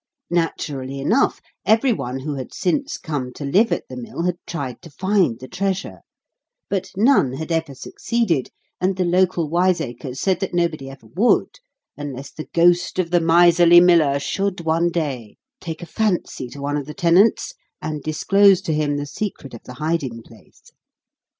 Naturally enough, every one who had since come to live at the mill had tried to find the treasure; but none had ever succeeded, and the local wiseacres said that nobody ever would, unless the ghost of the miserly miller should, one day, take a fancy to one of the tenants, and disclose to him the secret of the hiding place.